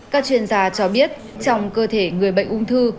các chuyên gia cho biết trong cơ thể người bệnh ung thư